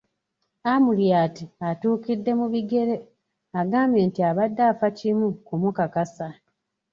Amuriat atuukidde mu bigere, agambye nti abadde afa kimu kumukakasa.